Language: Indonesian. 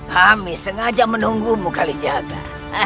kami sengaja menunggumu kali jaga